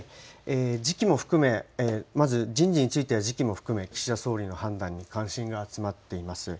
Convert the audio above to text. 時期も含め、まず人事については、時期も含め、岸田総理の判断に関心が集まっています。